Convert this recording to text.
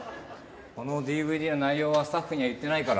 このＤＶＤの内容はスタッフには言ってないから。